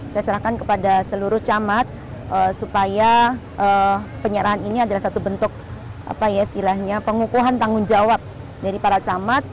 saya serahkan kepada seluruh camat supaya penyelam ini adalah satu bentuk pengukuhan tanggung jawab dari para camat